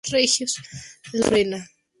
El ómnibus frena.